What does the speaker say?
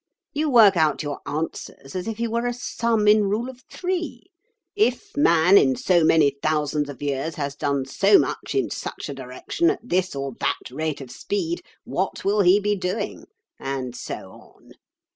You work out your answers as if he were a sum in rule of three: 'If man in so many thousands of years has done so much in such a direction at this or that rate of speed, what will he be doing—?' and so on.